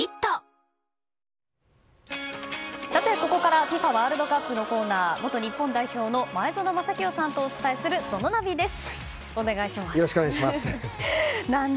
ここからはＦＩＦＡワールドカップのコーナー元日本代表の前園真聖さんとお伝えするＺＯＮＯナビです。